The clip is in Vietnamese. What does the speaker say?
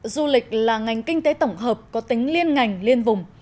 du lịch là ngành kinh tế tổng hợp có tính liên ngành liên vùng